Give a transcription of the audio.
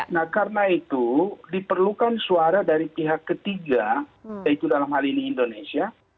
nah karena itu diperlukan suara dari pihak ketiga yaitu dalam hal ini indonesia